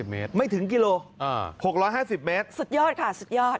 ๖๕๐เมตรไม่ถึงกิโลกรัมสุดยอดค่ะสุดยอด